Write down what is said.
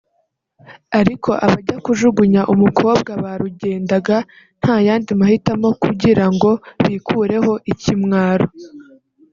ariko abajya kujugunya umukobwa barugendaga nta yandi mahitamo kugira ngo bikureho ikimwaro